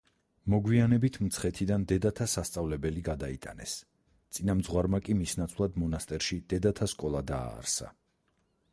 მოგვიანებით, მცხეთიდან დედათა სასწავლებელი გადაიტანეს, წინამძღვარმა კი მის ნაცვლად მონასტერში დედათა სკოლა დააარსა.